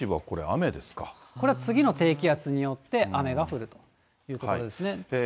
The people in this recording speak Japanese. これは次の低気圧によって、雨が降るということですね。